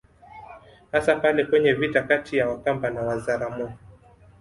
Hasa pale kwenye vita kati ya Wakamba na Wazaramo